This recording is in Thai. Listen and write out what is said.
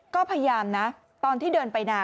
ก็พยายามนะตอนที่เดินไปนา